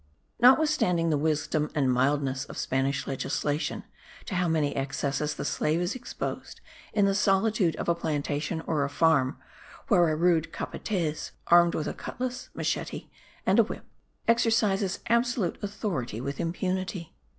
Notwithstanding the wisdom and mildness of Spanish legislation, to how many excesses the slave is exposed in the solitude of a plantation or a farm, where a rude capatez, armed with a cutlass (machete) and a whip, exercises absolute authority with impunity!